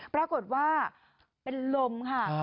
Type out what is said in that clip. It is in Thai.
ปรากฏว่าเป็นลมค่ะ